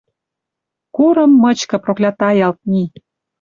Курым мычкы проклятаялт ми!